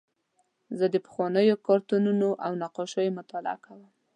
زه د پخوانیو کارتونونو او نقاشیو مطالعه کوم.